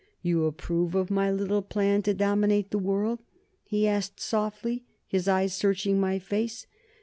"You approve of my little plan to dominate the world?" he asked softly, his eyes searching my face.